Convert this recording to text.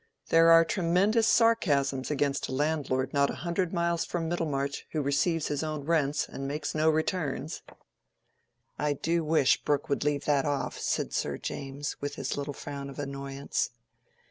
"There are tremendous sarcasms against a landlord not a hundred miles from Middlemarch, who receives his own rents, and makes no returns." "I do wish Brooke would leave that off," said Sir James, with his little frown of annoyance.